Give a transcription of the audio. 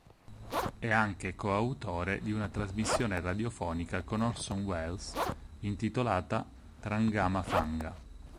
È anche coautore di una trasmissione radiofonica con Orson Welles intitolata "Trangama-Fanga".